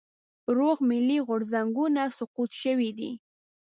روغ ملي غورځنګونه سقوط شوي دي.